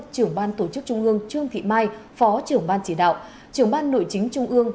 trưởng ban tổ chức trung ương trương thị mai phó trưởng ban chỉ đạo trưởng ban nội chính trung ương